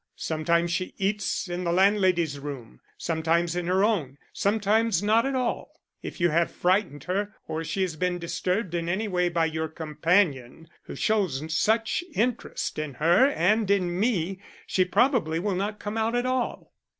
Sometimes she eats in the landlady's room, sometimes in her own, sometimes not at all. If you have frightened her, or she has been disturbed in any way by your companion who shows such interest in her and in me, she probably will not come out at all."